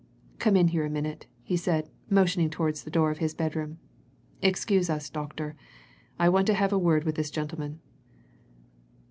"Come in here a minute," he said, motioning towards the door of his bedroom. "Excuse us, doctor I want to have a word with this gentleman.